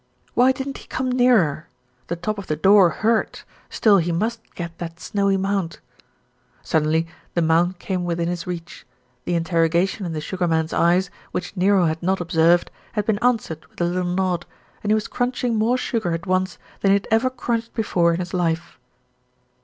Why didn't he come nearer? The top of the door hurt; still, he must get that snowy mound. Suddenly the mound came within his reach. The in terrogation in the Sugar Man's eyes, which Nero had not observed, had been answered with a little nod, and he was crunching more sugar at once than he had ever crunched before in his life.